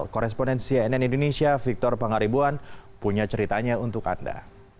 korespondensi ann indonesia victor pangaribuan punya ceritanya untuk anda